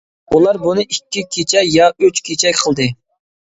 ئۇلار بۇنى ئىككى كېچە يا ئۈچ كېچە قىلدى.